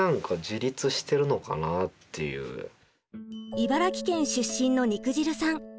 茨城県出身の肉汁さん。